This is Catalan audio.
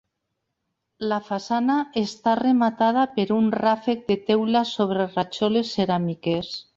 La façana està rematada per un ràfec de teula sobre rajoles ceràmiques.